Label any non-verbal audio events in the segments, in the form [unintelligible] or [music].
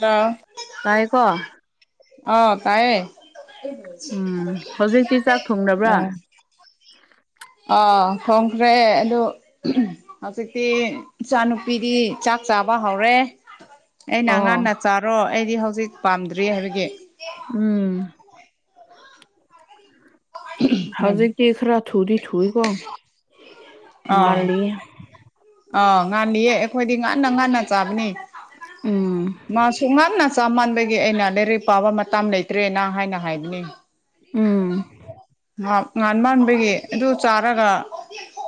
ꯇꯥ ꯇꯥꯏꯀꯣ ꯑꯥ ꯇꯥꯏꯌꯦ ꯎꯝ ꯍꯧꯖꯤꯛꯇꯤ ꯆꯥꯛ ꯊꯣꯡꯅꯕ꯭ꯔꯥ ꯑꯥ ꯑꯥ ꯍꯣꯡꯈ꯭ꯔꯦ ꯑꯗꯨ ꯍꯧꯖꯤꯛꯇꯤ ꯏꯆꯥ ꯅꯨꯨꯄꯤꯗꯤ ꯆꯥꯛ ꯆꯥꯕ ꯍꯧꯔꯦ ꯑꯩꯅ ꯑꯣ ꯉꯟꯅ ꯆꯥꯔꯣ ꯑꯩꯗꯤ ꯍꯧꯖꯤꯛ ꯄꯥꯝꯗ꯭ꯔꯤ ꯍꯥꯏꯕꯒꯤ ꯎꯝ ꯎꯝ ꯍꯧꯖꯤꯛꯇꯤ ꯈꯔꯥ ꯊꯨꯗꯤ ꯊꯨꯏ ꯀꯣ ꯑꯥ ꯉꯜꯂꯤꯌꯦ ꯑꯥ ꯉꯜꯂꯤꯌꯦ ꯑꯩꯈꯣꯏꯗꯤ ꯉꯟꯅ ꯉꯟꯅ ꯆꯥꯕꯅꯦ ꯎꯝ [inaudible] ꯃꯥꯁꯨ ꯉꯟꯅ ꯆꯃꯥꯟꯕꯒꯤ ꯑꯩꯅ ꯂꯥꯏꯔꯤꯛ ꯄꯥꯕ ꯃꯇꯝ ꯂꯩꯇ꯭ꯔꯦꯅ ꯍꯥꯏꯅ ꯍꯥꯏꯕꯅꯦ ꯎꯝ ꯃꯥꯞ [unintelligible] ꯉꯥꯟ ꯃꯥꯟꯕꯒꯤ ꯑꯗꯨ ꯆꯥꯔꯒ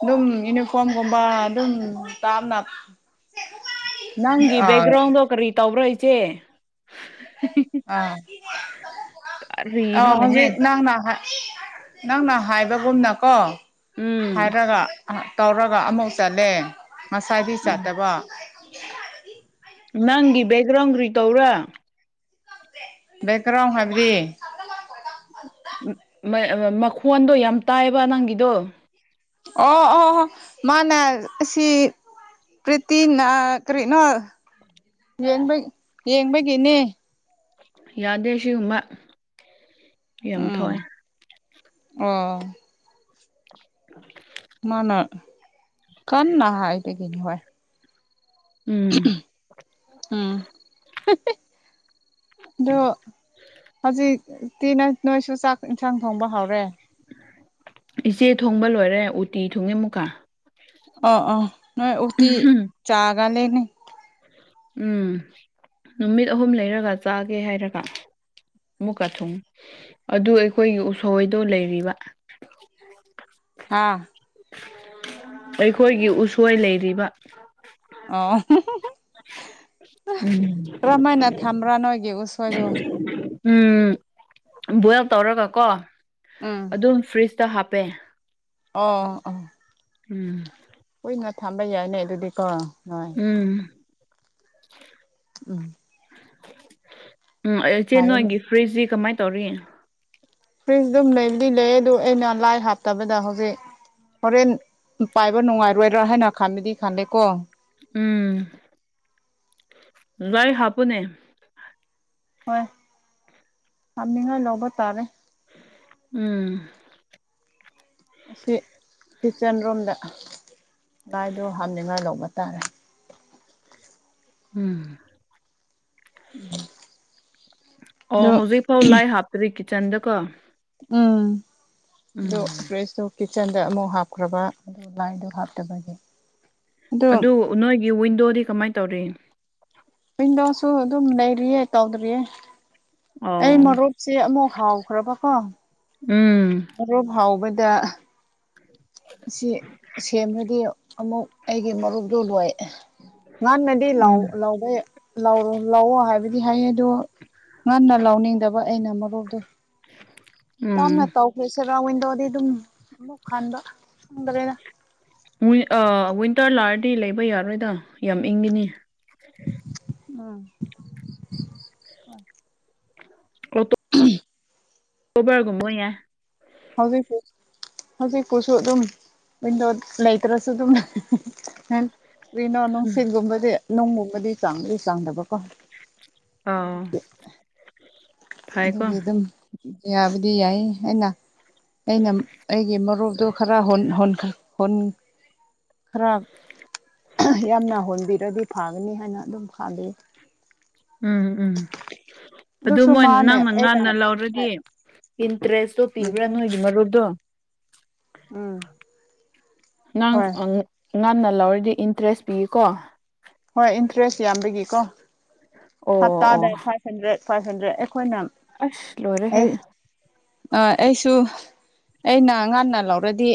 ꯑꯗꯨꯝ ꯌꯨꯅꯤꯐꯣꯝꯒꯨꯝꯕ ꯑꯗꯨꯝ [inaudible] ꯎ ꯇꯝꯅ [inaudible] ꯅꯪꯒꯤ ꯕꯦꯛꯒ꯭ꯔꯥꯎꯟꯗꯣ ꯀꯔꯤ ꯇꯧꯕ꯭ꯔꯣ ꯏꯆꯦ ꯑꯥ ꯑꯧ ꯀꯔꯤꯅꯣꯅꯦꯍꯦ ꯍꯧꯖꯤꯛ ꯅꯪꯅꯥ ꯍꯥꯏ ꯅꯪꯅ ꯍꯥꯏꯕꯒꯨꯝꯅꯀꯣ ꯎꯝ ꯍꯥꯏꯔꯒ ꯇꯧꯔꯒ ꯑꯃꯨꯛ ꯆꯠꯂꯦ ꯉꯁꯥꯢꯗꯤ ꯆꯠꯇꯕ ꯅꯪꯒꯤ ꯕꯦꯛꯒ꯭ꯔꯥꯎꯟ ꯀꯔꯤ ꯇꯧꯕ꯭ꯔꯥ ꯕꯦꯛꯒ꯭ꯔꯥꯎꯟ ꯍꯥꯏꯕꯗꯤ ꯃꯈꯣꯟꯗꯣ ꯌꯥꯝ ꯇꯥꯏꯕ ꯅꯪꯒꯤꯗꯣ ꯑꯣ ꯑꯣ ꯃꯥꯅ ꯑꯁꯤ ꯄ꯭ꯔꯤꯇꯤꯅ ꯀꯔꯤꯅꯣ ꯌꯦꯡꯕꯩ ꯌꯦꯡꯕꯒꯤꯅꯦ ꯌꯥꯗꯦ ꯁꯤꯒꯨꯝꯕ ꯌꯥꯝ ꯎꯝ ꯊꯣꯛꯑ [inaudible] ꯑꯣ [inaudible] ꯃꯥꯅ ꯀꯟꯅ ꯍꯥꯏꯕꯒꯤꯅꯤ ꯍꯣꯏ ꯎꯝ ꯎꯝ ꯑꯗꯣ ꯍꯧꯖꯤꯛꯇꯤ ꯅꯣꯢ ꯅꯣꯏꯁꯨ ꯆꯥꯛ ꯏꯟꯁꯥꯡ ꯊꯣꯡꯕ ꯍꯥꯎꯔꯦ [inaudible] ꯏꯆꯦ ꯊꯣꯡꯕ ꯂꯣꯏꯔꯦ ꯎꯇꯤ ꯊꯣꯡꯉꯦ ꯑꯃꯨꯛꯀꯥ ꯑꯣ ꯑꯣ ꯅꯣꯏ ꯎꯇꯤ ꯆꯥꯒꯜꯂꯤꯅꯦ ꯎꯝ ꯅꯨꯃꯤꯠ ꯑꯍꯨꯝ ꯂꯩꯔꯒ ꯆꯥꯒꯦ ꯍꯥꯏꯔꯒ ꯑꯃꯨꯛꯀ ꯊꯨꯡ ꯑꯗꯨ ꯑꯩꯈꯣꯏꯒꯤ ꯎꯁꯣꯏꯗꯣ ꯂꯩꯔꯤꯕ [inaudible] ꯍꯥꯥ ꯑꯩꯈꯣꯏꯒꯤ ꯎꯁꯣꯏ ꯂꯩꯔꯤꯕ ꯑꯣ ꯀꯔꯝꯍꯥꯏꯅ ꯊꯝꯕ꯭ꯔꯥ ꯅꯣꯏꯒꯤ ꯎꯁꯣꯏꯗꯨ ꯎꯝ ꯎꯝ ꯕꯣꯏꯜ ꯇꯧꯔꯒꯀꯣ ꯎꯝ ꯑꯗꯨꯝ ꯐ꯭ꯔꯤꯖꯇ ꯍꯥꯞꯄꯦ ꯑꯣ ꯑꯣ ꯎꯝ ꯀꯨꯏꯅ ꯊꯝꯕ ꯌꯥꯏꯅꯦ ꯑꯗꯨꯗꯤ ꯀꯣ ꯎꯝ ꯎꯝ ꯎꯝ ꯏꯆꯦ ꯐꯩꯅꯦ ꯅꯣꯏꯒꯤ ꯐ꯭ꯔꯤꯖꯁꯤ ꯀꯃꯥꯏ ꯇꯧꯔꯤ ꯐ꯭ꯔꯤꯖ ꯑꯗꯨꯝ ꯂꯩꯗꯤ ꯂꯩ ꯑꯗꯨ ꯑꯩꯅ ꯂꯥꯏꯠ ꯍꯥꯞꯇꯕꯗ ꯍꯧꯖꯤꯛ ꯍꯣꯔꯦꯟ ꯄꯥꯏꯕ ꯅꯨꯡꯉꯥꯏꯔꯣꯏꯗ꯭ꯔꯥ ꯍꯥꯏꯅ ꯈꯟꯕꯗꯤ ꯈꯜꯂꯦꯀꯣ ꯎꯝ ꯂꯥꯏꯠ ꯍꯥꯞꯄꯨꯅꯦ ꯍꯣꯏ ꯍꯥꯞꯅꯤꯡꯉꯥꯏ ꯂꯧꯕ ꯇꯥꯔꯦ ꯎꯝ ꯑꯁꯤ ꯀꯤꯠꯆꯟ ꯔꯨꯝꯗ ꯂꯥꯏꯠꯗꯣ ꯍꯥꯞꯅꯤꯡꯉꯥꯏ ꯂꯧꯕ ꯇꯥꯔꯦ ꯎꯝ ꯎꯝ [inaudible] ꯑꯣ ꯍꯧꯖꯤꯛ ꯐꯥꯎ ꯂꯥꯏꯠ ꯍꯥꯞꯇ꯭ꯔꯤ ꯀꯤꯠꯆꯟꯗꯀꯣ ꯎꯝ ꯑꯗꯣ ꯎꯝ ꯐ꯭ꯔꯤꯖꯇꯣ ꯀꯤꯠꯆꯟꯗ ꯑꯃꯨꯛ ꯍꯥꯞꯈ꯭ꯔꯕ ꯑꯗꯨ ꯂꯥꯏꯠꯗꯣ ꯍꯥꯞꯇꯕꯒꯤ ꯑꯗꯨ ꯅꯣꯏꯒꯤ ꯋꯤꯟꯗꯣꯗꯤ ꯀꯃꯥꯏ ꯇꯧꯔꯤ ꯋꯤꯡꯗꯣꯁꯨ ꯑꯗꯨꯝ ꯂꯩꯔꯤꯌꯦ ꯇꯧꯗ꯭ꯔꯤꯌꯦ ꯑꯣ ꯑꯩ ꯃꯔꯨꯞꯁꯦ ꯑꯃꯨꯛ ꯍꯧꯈ꯭ꯔꯕꯀꯣ ꯎꯝ ꯃꯔꯨꯞ ꯍꯧꯕꯗꯥ ꯁꯤ ꯁꯦꯝꯃꯗꯤ ꯑꯃꯨꯛ ꯑꯩꯒꯤ ꯃꯔꯨꯞꯇꯣ ꯂꯣꯏ ꯉꯥꯟꯅꯗꯤ ꯂꯥꯎ ꯎꯝ ꯂꯥꯎꯕ ꯂꯧꯥꯎꯔꯣ ꯂꯥꯛꯑꯣ ꯍꯥꯏꯕꯗꯤ ꯍꯥꯏꯌꯦꯗꯣ ꯉꯟꯅ ꯂꯧꯅꯤꯡꯗꯕ ꯑꯩꯅ ꯃꯔꯨꯞꯗꯣ ꯌꯥꯝꯅ ꯎꯝ ꯇꯧꯈ꯭ꯔꯦ ꯁꯦꯔꯥꯎꯋꯟꯗꯣꯗꯤ ꯑꯗꯨꯝ ꯑꯃꯨꯛ ꯍꯟꯕ ꯈꯪꯗ꯭ꯔꯦꯅ ꯋꯤꯟꯇꯔ ꯂꯥꯔꯗꯤ ꯂꯩꯕ ꯌꯥꯔꯣꯏꯗ ꯌꯥꯝ ꯏꯪꯈꯤꯅꯤ ꯎꯝ ꯕꯔꯒꯨꯝꯕꯣ ꯌꯥꯏ ꯍꯧꯖꯤꯛꯄꯨ ꯍꯧꯖꯤꯛꯄꯨꯁꯨ ꯑꯗꯨꯝ ꯋꯤꯟꯗꯣ ꯂꯩꯇ꯭ꯔꯁꯨꯣ ꯇꯅ ꯅꯣꯅ ꯎꯝ ꯁꯤ ꯇꯨꯝꯕꯗꯤ ꯅꯨꯡꯒꯨꯝꯕꯗꯤ ꯆꯥꯡꯗꯤ ꯆꯥꯡꯗꯕꯀꯣ ꯑꯥ ꯑꯗꯨꯒꯤ ꯑꯗꯨꯝ ꯌꯥꯕꯗꯤ ꯌꯥꯏ ꯑꯩꯅ ꯑꯩꯅ ꯑꯩꯒꯤ ꯃꯔꯨꯞꯇꯣ ꯈꯔ ꯍ ꯍ ꯍꯣꯟ ꯈꯔ ꯌꯥꯝꯅ ꯍꯣꯟꯕꯤꯔꯗꯤ ꯐꯒꯅꯤ ꯍꯥꯏꯅ ꯑꯗꯨꯝ ꯈꯥꯕꯤ ꯎꯝ ꯎꯝ ꯑꯗꯨ ꯑꯗꯨꯁꯨ ꯃꯣꯏ ꯃꯥꯅꯦ ꯅꯪꯅ ꯑꯩꯅ ꯉꯟꯅ ꯂꯧꯥꯎꯔꯗꯤ ꯏꯟꯇ꯭ꯔꯦꯁ ꯎꯝ ꯄꯤꯕ꯭ꯔꯅ ꯏ ꯃꯔꯣ ꯎꯝ ꯉꯥꯡ ꯍꯣꯏ ꯉꯥꯟꯟꯅ ꯂꯧꯔꯤꯗꯤ ꯏꯟꯇꯔꯦꯁ ꯄꯤꯀꯣ ꯍꯣꯏ ꯏꯟꯇꯔꯦꯁ ꯌꯥꯝꯕꯒꯤꯀꯣ ꯑꯣ ꯑꯣ ꯍꯞꯇꯥꯗ ꯐꯥꯏꯚ ꯍꯟꯗ꯭ꯔꯦꯠ ꯐꯥꯏꯚ ꯍꯟꯗ꯭ꯔꯦꯠ ꯑꯩꯈꯣꯏꯅ ꯑꯁ ꯂꯣꯏꯔꯦ ꯍꯦ ꯑ ꯑꯩꯁꯨ ꯑꯩꯅ ꯑꯉꯥꯡꯅ ꯂꯧꯔꯗꯤ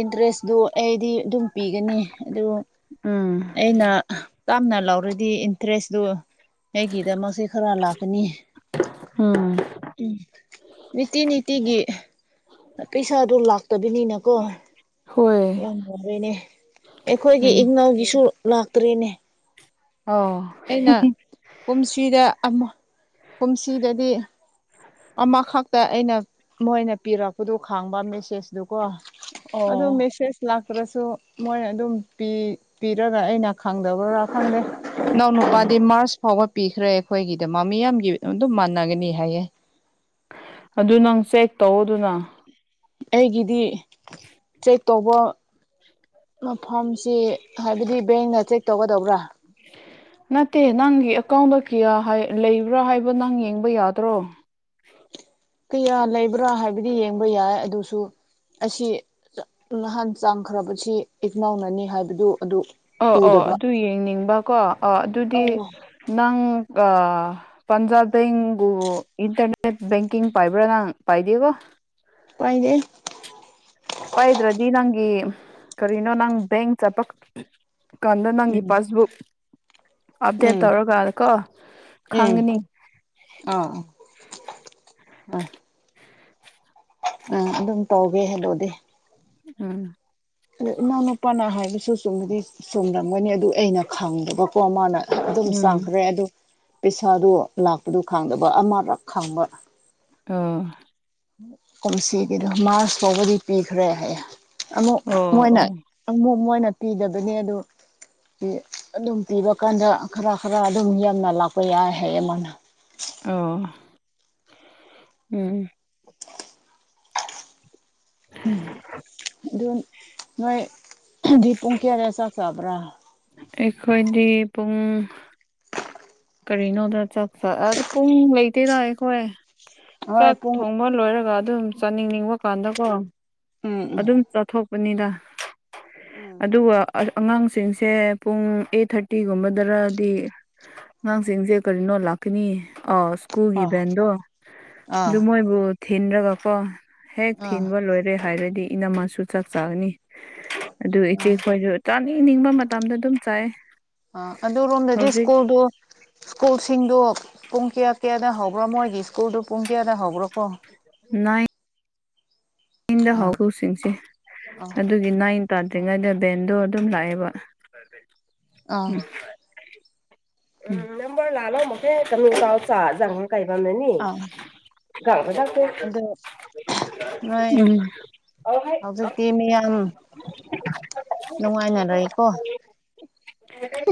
ꯏꯟꯇꯔꯦꯁꯇꯨ ꯑꯩꯗꯤ ꯑꯗꯨꯝ ꯄꯤꯒꯅꯤ ꯑꯗꯨ ꯎꯝ ꯑꯩꯅ ꯇꯥꯝꯅ ꯂꯧꯔꯗꯤ ꯏꯟꯇꯔꯦꯁꯇꯨ ꯑꯩꯒꯤꯗꯃꯛꯁꯦ ꯈꯔꯥ ꯂꯒꯅꯤ ꯎꯝ ꯎꯝ ꯅꯤꯇꯤ ꯅꯤꯇꯤꯒꯤ ꯄꯩꯁꯥꯗꯣ ꯂꯥꯛꯇꯕꯅꯤꯅ ꯀꯣ ꯍꯣꯏ ꯌꯥꯝ ꯋꯥꯔꯦꯅꯦ ꯑꯩꯈꯣꯏꯒꯤ ꯎꯝ ꯏꯪꯅꯥꯎꯒꯤꯁꯨ ꯂꯥꯛꯇꯔꯤꯅꯦ ꯑꯣ ꯀꯨꯝꯁꯤꯗ ꯑꯃ ꯀꯨꯝꯁꯤꯗꯗꯤ ꯑꯃꯈꯛꯇ ꯑꯩꯅ ꯃꯣꯏꯅ ꯄꯤꯔꯛꯄꯗꯨ ꯈꯪꯕ ꯃꯦꯁꯦꯖꯇꯀꯣ ꯑꯗꯨꯗ ꯑꯣ ꯃꯦꯁꯦꯁ ꯂꯥꯛꯇ꯭ꯔꯁꯨ ꯃꯣꯏ ꯑꯗꯨꯝ ꯄꯤꯔꯒ ꯑꯩꯅ ꯈꯪꯗꯕ꯭ꯔꯥ ꯈꯪꯗꯦ ꯏꯅꯥꯎ ꯎꯝ ꯅꯨꯄꯥꯗꯤ ꯃꯥꯔꯁ ꯐꯥꯎꯕ ꯄꯤꯈ꯭ꯔꯦ ꯑꯩꯈꯣꯏꯒꯤꯗ ꯃꯥ ꯃꯤꯌꯥꯝꯒꯤ ꯑꯗꯨꯝ ꯃꯥꯟꯅꯒꯅꯤ ꯍꯥꯏꯌꯦ ꯑꯗꯨ ꯅꯪ ꯆꯦꯛ ꯇꯧ ꯑꯗꯨꯅ ꯑꯩꯒꯤꯗꯤ ꯇꯧꯕ ꯃꯐꯝꯁꯤ ꯍꯥꯏꯕꯗꯤ ꯕꯦꯡꯅ ꯆꯦꯛ ꯇꯧꯒꯗꯧꯕ꯭ꯔꯥ ꯅꯠꯇꯦ ꯅꯪꯒꯤ ꯑꯦꯀꯥꯎꯟꯗ ꯀꯌꯥ ꯂꯩꯕ꯭ꯔꯥ ꯍꯥꯏꯕ ꯅꯪ ꯌꯦꯡꯕ ꯌꯥꯗ꯭ꯔꯣ ꯀꯌꯥ ꯂꯩꯕ꯭ꯔꯥ ꯍꯥꯏꯕꯗꯤ ꯌꯦꯡꯕ ꯌꯥꯏ ꯑꯗꯨꯁꯨ ꯑꯁꯤ ꯅꯍꯥꯟ ꯆꯥꯡꯈ꯭ꯔꯕꯁꯤ ꯏꯛꯅꯥꯧꯅꯅꯤ ꯍꯥꯏꯕꯗꯨ ꯑꯗꯨ ꯑꯣ ꯑꯣ ꯎꯗꯕ ꯑꯗꯨ ꯌꯦꯡꯅꯤꯡꯕꯀꯣ ꯑ ꯑꯗꯨꯗꯤ ꯑꯧ ꯅꯪ ꯄꯟꯖꯥꯕ ꯏꯟꯇꯔꯅꯦꯠ ꯀꯤꯡ ꯄꯕ꯭ꯔꯅ ꯄꯗꯕ ꯄꯥꯏꯅꯦ ꯆꯄꯥꯏꯗ꯭ꯔꯗꯤ ꯅꯪꯒꯤ ꯀꯔꯤꯅꯣ ꯅꯪ ꯆꯠꯄ ꯀꯥꯟꯗ ꯅꯪꯒꯤ ꯎꯝ ꯄꯥꯁꯕꯨꯛ ꯑꯞꯗꯦꯠ ꯎꯝ ꯇꯧꯔꯀꯥꯟꯗ ꯀꯣ ꯎꯝ ꯈꯪꯒꯅꯤ ꯑꯥ ꯍ ꯑ ꯑꯗꯨꯝ ꯇꯧꯒꯦ ꯍꯂꯛꯑꯣꯗꯤ ꯎꯝ ꯑꯣ ꯏꯅꯥꯎꯅꯨꯄꯥꯅ ꯍꯥꯏꯕꯁꯨ ꯆꯨꯝꯕꯗꯤ ꯆꯨꯝꯔꯝꯒꯅꯤ ꯑꯗꯨ ꯑꯩꯅ ꯈꯪꯗꯕꯀꯣ ꯃꯥꯅ ꯑꯗꯨꯝ ꯎꯝ ꯆꯥꯡꯈ꯭ꯔꯦ ꯑꯗꯨꯗ ꯄꯩꯁꯥꯗꯨ ꯂꯥꯛꯄꯗꯨ ꯈꯥꯡꯗꯕ ꯑꯃꯗꯛ ꯈꯥꯡꯕ ꯑꯥ ꯀꯨꯝꯁꯤꯒꯤꯗꯣ ꯃꯥꯔꯁ ꯐꯥꯎꯕꯗꯤ ꯄꯤꯈ꯭ꯔꯦ ꯍꯥꯏꯌꯦꯦ ꯑꯃꯨꯛ ꯑꯣ ꯃꯣꯏꯅ ꯑꯣ ꯑꯃꯨꯛ ꯃꯣꯏꯅ ꯄꯤꯗꯕꯅꯦ ꯑꯗꯨ ꯑꯗꯨꯝ ꯄꯤꯕ ꯀꯥꯟꯗ ꯈꯔ ꯈꯔ ꯑꯗꯨꯝ ꯌꯥꯝꯅ ꯂꯥꯛꯄ ꯌꯥꯏ ꯍꯥꯏ ꯑꯃꯣꯟꯅ ꯑꯣ ꯎꯝ ꯎꯝ ꯑꯗꯨ ꯅꯣꯏ ꯍꯥꯏꯗꯤ ꯄꯨꯡ ꯀꯌꯥ ꯀꯌꯥ ꯆꯥꯛ ꯆꯥꯕ꯭ꯔꯥ ꯑꯩꯈꯣꯏꯗꯤ ꯄꯨꯡ ꯀꯔꯤꯅꯣꯗ ꯆꯥꯛ ꯆ ꯑ ꯄꯨꯡ ꯂꯩꯇꯦ ꯇꯥꯛꯑꯦꯈꯣ ꯍꯣꯏ ꯆꯥꯛ ꯄꯨꯡ ꯊꯣꯡ ꯑꯃ ꯂꯣꯏꯔꯒ ꯑꯗꯨꯝ ꯆꯥꯅꯤꯡꯅꯤꯡꯕ ꯀꯥꯟꯗꯀꯣ ꯎꯝ ꯎꯝ ꯑꯗꯨꯝ ꯆꯠꯊꯣꯛꯄꯅꯤꯗ ꯎꯝ ꯑꯗꯨꯒ ꯑꯉꯥꯡꯁꯤꯡꯁꯦ ꯄꯨꯡ ꯑꯩꯠ ꯊꯥꯔꯇꯤꯒꯨꯝꯕꯗꯔꯗꯤ ꯑꯉꯥꯡꯁꯤꯡꯁꯦ ꯀꯔꯤꯅꯣ ꯂꯥꯛꯀꯅꯤ ꯑꯥꯎ ꯁ꯭ꯀꯨꯜꯒꯤ ꯑꯥ ꯚꯦꯟꯗꯣ ꯑꯥ ꯑꯗꯨ ꯃꯣꯏꯕꯨ ꯊꯤꯟꯔꯒꯀꯣ ꯍꯦꯛ ꯑꯥ ꯊꯤꯟꯕ ꯂꯣꯏꯔꯦ ꯍꯥꯏꯔꯗꯤ ꯏꯅꯝꯃꯁꯨ ꯆꯥꯛ ꯆꯥꯒꯅꯤ ꯑꯗꯨ ꯑꯥ ꯏꯆꯦꯈꯣꯏꯁꯨ ꯆꯥꯅꯤꯡꯕ ꯃꯇꯝꯗ ꯑꯗꯨꯝ ꯆꯥꯏ ꯑ ꯑꯗꯨꯔꯣꯝꯗꯗꯤ ꯍꯧꯖꯤꯛ ꯁ꯭ꯀꯨꯜꯗꯣ ꯁ꯭ꯀꯨꯜꯁꯤꯡꯗꯣ ꯄꯨꯡꯀꯤꯌꯥ ꯀꯦꯗꯥ ꯍꯕ꯭ꯔꯃꯣꯏ ꯒꯤꯁꯀꯨꯔꯗꯨ ꯄꯨꯡꯀꯤ ꯅ ꯑꯟꯗ ꯍꯥꯎ ꯑꯥ ꯍꯁꯤꯡꯁꯤꯦ ꯑꯥ ꯑꯗꯨꯒꯤ ꯅꯥꯏꯟ ꯑꯥ ꯇꯥꯗ꯭ꯔꯤꯉꯩꯗ ꯕꯦꯟꯗꯣ ꯑꯗꯨꯝ ꯂꯥꯛꯑꯦꯕ ꯑꯥ ꯎꯝ ꯑꯥ [unintelligible] ꯀꯕ ꯆꯥꯛꯇꯦ ꯑꯗꯨ ꯎꯝ ꯁꯤ ꯃꯌꯥꯝ ꯅꯨꯡꯉꯥꯏꯅꯔꯦꯀꯣ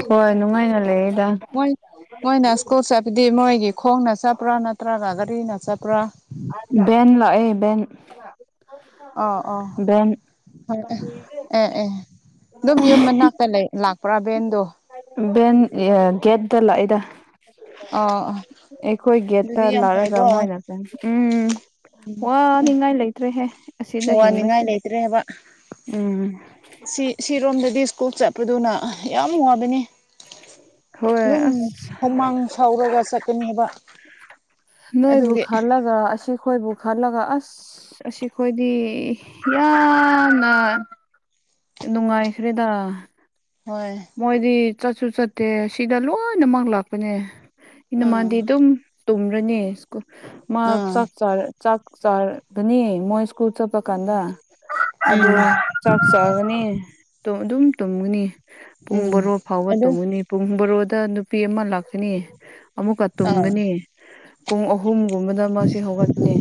ꯍꯣꯏ ꯅꯨꯡꯉꯥꯏꯅ ꯂꯩꯗ ꯃꯣꯏ ꯃꯣꯏꯅ ꯁ꯭ꯀꯨꯜ ꯆꯠꯄꯗꯤ ꯃꯣꯏꯒꯤ ꯈꯣꯡꯅ ꯆꯠꯄ꯭ꯔꯥ ꯅꯠꯇ꯭ꯔꯒ ꯒꯥꯔꯤꯅ ꯆꯠꯄ꯭ꯔꯥ ꯎ ꯕꯦꯟ ꯂꯥꯛꯑꯦ ꯕꯦꯟ ꯑꯣ ꯑꯣ ꯕꯦꯟ ꯍꯣꯏ ꯑꯦ ꯑꯦ ꯑꯗꯨꯝ ꯌꯨꯝ ꯃꯅꯥꯛꯇ ꯂꯥꯛꯄ꯭ꯔꯥ ꯕꯦꯟꯗꯣ ꯕꯦꯟ ꯒꯦꯠꯇ ꯂꯥꯛꯏꯗ ꯑꯣ ꯑꯣ ꯑꯩꯈꯣꯏ ꯒꯦꯠꯇ ꯑꯗꯨꯗꯤ ꯌꯥꯝ ꯂꯥꯛꯔꯒ ꯐꯩꯀꯣ ꯃꯣꯏꯅ ꯎꯝ ꯋꯥꯅꯤꯡꯉꯥꯏ ꯂꯩꯇ꯭ꯔꯦꯍꯦ ꯑꯁꯤꯗ ꯋꯥꯅꯤꯡꯉꯥꯏ ꯍꯤꯡꯕꯁꯤꯅꯦ ꯂꯩꯇ꯭ꯔꯦꯕ ꯎꯝ ꯁꯤ ꯁꯤꯔꯣꯝꯗꯗꯤ ꯁ꯭ꯀꯨꯜ ꯆꯠꯄꯗꯨꯅ ꯌꯥꯝ ꯅꯨꯡꯉꯥꯏꯕꯅꯤ ꯍꯣꯏ ꯑꯗꯨꯝ ꯑꯁ ꯍꯨꯃꯥꯡ ꯁꯥꯎꯔꯒ ꯆꯠꯀꯅꯤ ꯍꯥꯏꯕ ꯅꯣꯏꯕꯨ ꯈꯜꯂꯒ ꯑꯁꯤꯈꯣꯏꯕꯨ ꯈꯜꯂꯒ ꯑꯁ ꯑꯁꯤ ꯈꯣꯏꯗꯤ ꯌꯥꯝꯅ ꯅꯨꯡꯉꯥꯏꯈ꯭ꯔꯦꯗ ꯍꯣꯏ ꯃꯣꯏꯗꯤ ꯆꯠꯁꯨ ꯆꯠꯇꯦ ꯁꯤꯗ ꯂꯣꯏꯅꯃꯛ ꯂꯥꯛꯄꯅꯦ ꯏꯅ ꯃꯥꯗꯤ ꯎꯝ ꯑꯗꯨꯝ ꯇꯨꯝꯔꯅꯤ ꯃꯥ ꯎꯝ ꯆ ꯆꯥꯛ ꯆꯥꯒꯅꯤ ꯃꯣꯏ ꯀꯨꯆꯆꯥ ꯄꯀꯗ ꯎꯝ ꯑꯗꯨꯗ ꯆꯐꯁꯒꯒꯅꯤ ꯑꯗꯨꯝ ꯇꯨꯝꯉꯨꯅꯤ ꯄꯨꯡ ꯎꯝ ꯕꯣꯔꯣ ꯐꯥꯎꯕ ꯑꯗꯨ ꯇꯨꯝꯒꯨꯅꯤ ꯄꯨꯡ ꯕꯣꯔꯣꯗ ꯅꯨꯄꯤ ꯑꯃ ꯂꯥꯛꯀꯅꯤ ꯑꯃꯨꯛꯀ ꯑꯥ ꯇꯨꯝꯒꯅꯤ ꯄꯨꯡ ꯑꯍꯨꯝꯒꯨꯝꯕꯗ ꯃꯁꯤ ꯍꯧꯒꯠꯄꯅꯤ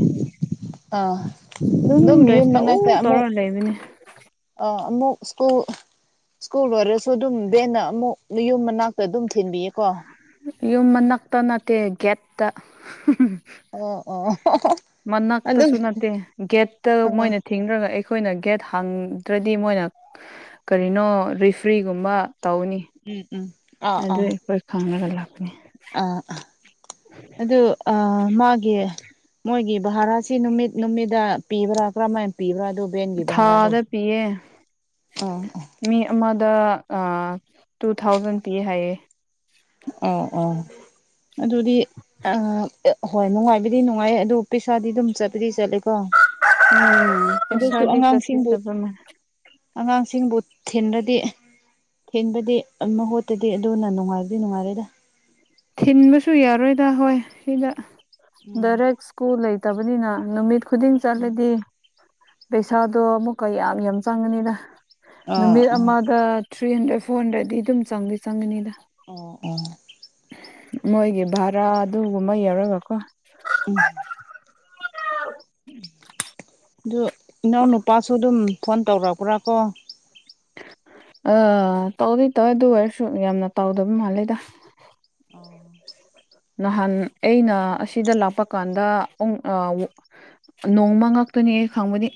ꯑꯥ ꯑꯗꯨꯝ ꯌꯨꯝ ꯗ꯭ꯔꯦꯁ ꯃꯅꯥꯁꯦ ꯇꯧ ꯇꯧꯔ ꯑꯃꯨꯛ ꯂꯩꯕꯅꯤ ꯑꯃꯨ ꯁꯀꯨꯜ ꯁ꯭ꯀꯨꯜ ꯑꯣꯏꯣꯏꯔꯁꯨ ꯑꯗꯨꯝ ꯕꯦꯟꯅ ꯑꯃꯨꯛ ꯌꯨꯝ ꯃꯅꯥꯛꯇ ꯑꯗꯨꯝ ꯊꯤꯟꯕꯤꯌꯦ ꯀꯣ ꯌꯨꯝ ꯃꯅꯥꯛꯇ ꯅꯠꯇꯦ ꯒꯦꯠꯇ ꯑꯣ ꯑꯣ ꯑꯗꯨꯝ ꯃꯅꯛꯇꯁꯨ ꯅꯠꯇꯦ ꯒꯦꯠꯇ ꯃꯣꯏ ꯑꯥ ꯅꯠꯇꯦ ꯊꯤꯡꯅ꯭ꯔꯒ ꯑꯩꯈꯣꯏꯅ ꯒꯦꯠ ꯍꯥꯡꯗ꯭ꯔꯗꯤ ꯃꯣꯏꯅ ꯀꯔꯤꯅꯣ ꯔꯤꯐ꯭ꯔꯤꯒꯨꯝꯕ ꯇꯧꯅꯤ ꯎꯝ ꯎꯝ ꯑꯗꯨ ꯑꯩꯈꯣꯏ ꯈꯪꯉꯒ ꯂꯥꯛꯄꯅꯤ ꯑ ꯑꯗꯨ ꯑ ꯃꯥꯒꯤ ꯃꯣꯏꯒꯤ ꯚꯔꯥꯁꯤ ꯅꯨꯃꯤꯠ ꯅꯨꯃꯤꯗ ꯄꯤꯕ꯭ꯔꯥ ꯀꯔꯝꯍꯥꯏꯅ ꯄꯤꯕ꯭ꯔꯥ ꯑꯗꯨꯕꯦꯟꯒꯤꯕꯔ ꯑꯗꯨꯣ ꯊꯥꯗ ꯄꯤꯌꯦ ꯑ ꯑ ꯃꯤ ꯑꯃꯗ ꯇꯨ ꯊꯥꯎꯖꯟ ꯄꯤ ꯍꯥꯏꯌꯦ ꯑꯣ ꯑꯣ ꯑꯗꯨꯗꯤ ꯑ ꯍꯣꯏ ꯅꯨꯡꯉꯥꯏꯕꯗꯤ ꯅꯨꯡꯉꯥꯏ ꯑꯗꯨ ꯄꯩꯁꯥꯗꯤ ꯑꯗꯨꯝ ꯆꯠꯄꯗꯤ ꯆꯠꯂꯦꯀꯣ ꯎꯝ ꯑꯗꯨꯁꯨ ꯀꯩꯁꯥꯗꯤ ꯆ ꯑꯉꯥꯡꯁꯤꯡꯕꯨ ꯆꯕ ꯑꯉꯥꯡꯁꯤꯡꯕꯨ ꯊꯤꯟꯕꯗꯤ ꯊꯤꯟꯕꯗꯤ ꯃꯍꯨꯠꯇꯗꯤ ꯑꯗꯨꯅ ꯅꯨꯡꯉꯥꯏꯕ ꯑꯗꯨꯗꯤ ꯅꯨꯡꯉꯔꯦꯗ ꯊꯤꯟꯕꯁꯨ ꯌꯥꯔꯣꯏꯗ ꯍꯣꯏ ꯁꯤꯗ ꯎꯝ ꯗꯥꯏꯔꯦꯛ ꯁ꯭ꯀꯨ ꯂꯩꯇꯕꯅꯤꯅ ꯅꯨꯃꯤꯠ ꯈꯨꯗꯤꯡ ꯆꯠꯂꯗꯤ ꯄꯩꯁꯥꯗꯣ ꯑꯃꯨꯛꯀ ꯌꯥꯝ ꯌꯥꯝ ꯆꯪꯉꯅꯤꯅ ꯑꯥ ꯅꯨꯃꯤꯠ ꯑꯥ ꯑꯃꯗ ꯊ꯭ꯔꯤ ꯍꯟꯗ꯭ꯔꯦꯗ ꯐꯣꯔ ꯍꯟꯗ꯭ꯔꯦꯗꯗꯤ ꯑꯗꯨꯝ ꯆꯪꯗꯤ ꯆꯪꯒꯅꯤꯗ ꯑꯣ ꯑꯣ ꯃꯣꯏꯒꯤ ꯚꯔꯥ ꯑꯗꯨꯒꯨꯝꯕ ꯌꯧꯔꯒꯀꯣ ꯎꯝ ꯑꯗꯨ ꯏꯅꯥꯎꯅꯨꯄꯥꯁꯨ ꯑꯗꯨꯝ ꯐꯣꯟ ꯇꯧꯔꯛꯄ꯭ꯔꯥ ꯀꯣ ꯑꯥ ꯇꯧꯗꯤ ꯇꯧꯋꯦ ꯑꯗꯨ ꯑꯣꯏꯔꯁꯨ ꯌꯥꯝꯅ ꯇꯥꯎꯗꯕ ꯃꯥꯜꯂꯦꯗ ꯑꯣ ꯅꯍꯥꯟ ꯑꯩꯅ ꯑꯁꯤꯗ ꯂꯥꯛꯄ ꯀꯥꯟꯗ ꯅꯣꯡꯃ ꯉꯥꯛꯇꯣꯅꯤ ꯑꯩ ꯈꯪꯕꯗꯤ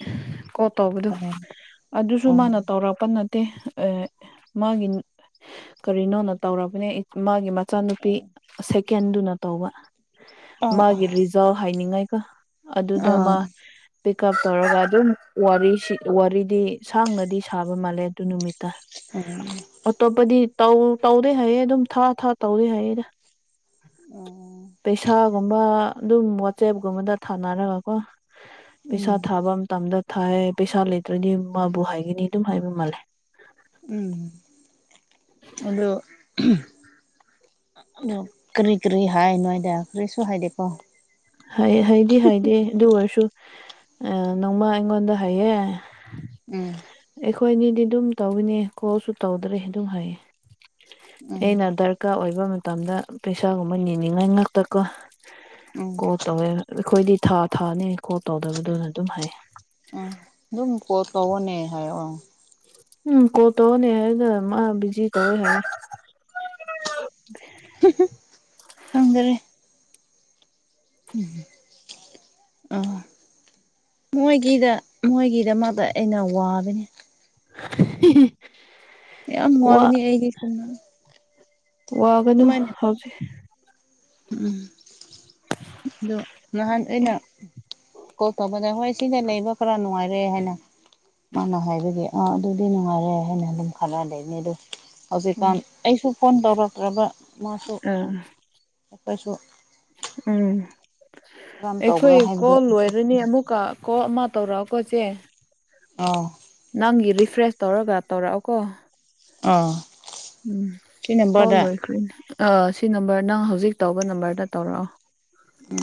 ꯀꯣꯜ ꯇꯧꯕꯗꯣ ꯑꯣ ꯑꯗꯨꯁꯨ ꯑꯣ ꯃꯥꯅ ꯇꯧꯔꯛꯄ ꯅ ꯇꯦ ꯃꯥꯒꯤ ꯀꯔꯤꯅꯣꯅ ꯇꯧꯔꯕꯅꯦ ꯃꯥꯒꯤ ꯏꯆꯥꯅꯨꯄꯤ ꯑꯥ ꯁꯦꯀꯦꯟꯗꯨꯅ ꯇꯧꯕ ꯑꯥ ꯃꯥꯒꯤ ꯔꯤꯖꯥꯜ ꯍꯥꯏꯅꯤꯡꯉꯥꯏꯒ ꯑꯗꯨꯗ ꯑꯥ ꯃꯥ ꯄꯤꯛ ꯎꯞ ꯇꯧꯔꯒ ꯑꯗꯨꯝ ꯋꯥꯔꯤꯗꯤ ꯁꯥꯡꯅꯗꯤ ꯁꯥꯕ ꯃꯥꯜꯂꯦ ꯑꯗꯨ ꯅꯨꯃꯤꯠꯇ ꯑꯣ ꯑꯇꯣꯞꯄꯗꯤ ꯇꯧꯗꯦ ꯍꯥꯏꯌꯦ ꯑꯗꯨꯝ ꯊꯥ ꯊꯥ ꯇꯧꯔꯦ ꯍꯥꯏꯌꯦꯗ ꯑꯣ ꯄꯩꯁꯥꯒꯨꯝꯕ ꯑꯗꯨꯝ ꯋꯥꯆꯦꯞꯀꯨꯝꯕꯗ ꯊꯥꯅꯔꯒꯀꯣ ꯄꯩꯁꯥ ꯎꯝ ꯊꯥꯕ ꯃꯇꯝꯗ ꯊꯥꯏ ꯄꯩꯁꯥ ꯂꯩꯇ꯭ꯔꯗꯤ ꯃꯥꯕꯨ ꯍꯥꯏꯒꯅꯤ ꯑꯗꯨꯝ ꯍꯥꯏꯕ ꯃꯥꯜꯂꯦ ꯎꯝ ꯑꯗꯣ ꯑ ꯀꯔꯤ ꯀꯔꯤ ꯍꯥꯏꯅꯣ ꯍꯥꯏꯗꯤ ꯀꯔꯤꯁꯨ ꯍꯥꯏꯗꯦꯀꯣ ꯍꯥꯏꯗꯤ ꯍꯥꯏꯗꯤ ꯑꯗꯨ ꯑꯣꯏꯔꯁꯨ ꯅꯣꯡꯃ ꯑꯩꯉꯣꯟꯗ ꯍꯥꯏꯌꯦ ꯎꯝ ꯑꯩꯈꯣꯏꯅꯤꯗꯤ ꯑꯗꯨꯝ ꯇꯧꯏꯅꯦ ꯀꯣꯜꯁꯨ ꯇꯧꯗ꯭ꯔꯦ ꯑꯗꯨꯝ ꯍꯥꯏꯌꯦ ꯎꯝ ꯑꯩꯅ ꯗꯔꯀꯥꯔ ꯑꯣꯏꯕ ꯃꯇꯝꯗ ꯄꯩꯁꯥꯒꯨꯝꯕ ꯅꯤꯅꯤꯡꯉꯥꯏ ꯉꯥꯛꯇꯀꯣ ꯎꯝ ꯀꯣꯜ ꯇꯧꯋꯦ ꯑꯩꯈꯣꯏꯗꯤ ꯊꯥ ꯊꯥꯅꯤ ꯀꯣꯜ ꯇꯧꯗꯕꯗꯨꯅ ꯑꯗꯨꯝ ꯍꯥꯏꯌꯦ ꯑꯝ ꯑꯗꯨꯝ ꯀꯣꯜ ꯇꯧꯕꯅꯦ ꯍꯥꯏ ꯑ ꯎꯝ ꯀꯣꯜ ꯇꯅꯤ ꯍꯥꯏꯕꯗ ꯃꯥꯅ ꯕꯤꯖꯤ ꯇ ꯍꯥꯏ ꯈꯪꯗꯔꯦ ꯎꯝ ꯑꯥ ꯃꯣꯏꯒꯤꯗ ꯃꯣꯏꯒꯤꯗꯃꯛꯇ ꯑꯩꯅ ꯋꯥꯕꯅꯤ [unintelligible] ꯌꯥꯝ ꯋꯥ ꯋꯥꯕꯤꯅꯤ ꯑꯩꯒꯤ ꯁꯅ ꯋꯥꯒꯅꯨ ꯍꯧꯎꯖꯤꯛ ꯎꯝ ꯑꯗꯣ ꯅꯍꯥꯟ ꯑꯩꯅ ꯀꯣꯜ ꯇꯕꯗ ꯍꯣꯏ ꯁꯤꯗ ꯂꯩꯕ ꯈꯔ ꯅꯨꯡꯉꯥꯏꯔꯦ ꯍꯥꯏꯅ ꯃꯥꯅ ꯍꯥꯏꯕꯒꯤ ꯑꯥ ꯑꯗꯨꯗꯤ ꯅꯨꯡꯉꯥꯏꯔꯦ ꯍꯥꯏꯅ ꯑꯗꯨꯝ ꯈꯂ ꯂꯩꯅꯦ ꯑꯗꯨ ꯎꯝ ꯍꯧꯖꯤꯛꯀꯥꯟ ꯑꯩꯁꯨ ꯐꯣꯟ ꯇꯧꯔꯛꯇ꯭ꯔꯕ ꯃꯥꯁꯨ ꯎꯝ ꯑꯩꯈꯣꯏꯁꯨ ꯎꯝ ꯀꯔꯝ ꯇꯧꯕ꯭ꯔꯥ ꯑꯩꯈꯣꯏ ꯍꯥꯏꯕꯗꯣ ꯀꯣꯜ ꯂꯣꯏꯔꯅꯤ ꯑꯃꯨꯛꯀ ꯀꯣ ꯑꯃ ꯇꯧꯔꯛꯑꯣꯀꯣ ꯆꯦ ꯑꯥꯎ ꯅꯪꯒꯤ ꯔꯤꯐ꯭ꯔꯦꯁ ꯇꯧꯔꯒ ꯇꯧꯔꯛꯑꯣꯀꯣ ꯑꯥ ꯎꯝ ꯁꯤ ꯀꯣꯜ ꯅꯝꯕꯔꯗ ꯂꯣꯏꯈ꯭ꯔꯦꯅꯦ ꯑꯥ ꯁꯤ ꯅꯝꯕꯔ ꯅꯪ ꯍꯧꯖꯤꯛ ꯇꯧꯕ ꯅꯝꯕꯔꯗ ꯇꯧꯔꯛꯑꯣ ꯎꯝ